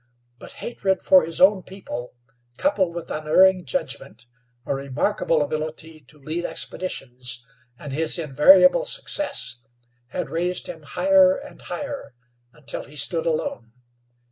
But hatred for his own people, coupled with unerring judgment, a remarkable ability to lead expeditions, and his invariable success, had raised him higher and higher until he stood alone.